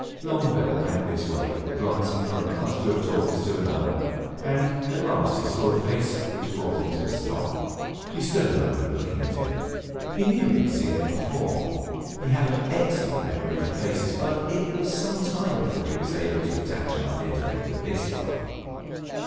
Longueville went his way, glancing from one cluster of talkers to another; and at last he saw a face which brought him to a stop. He stood a moment looking at it; he knew he had seen it before. He had an excellent memory for faces; but it was some time before he was able to attach an identity to this one.